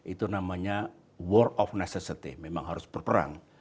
itu namanya war of nacesity memang harus berperang